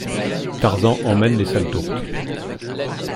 Tarzan emmène les sales tourtes.